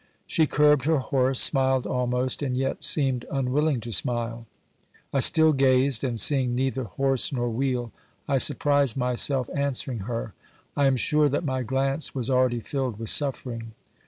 She curbed her horse, smiled almost, and yet seemed unwilling to smile. I still gazed, and, seeing neither horse nor wheel, I surprised myself answering her. ... I am sure that my glance was already filled with suffering.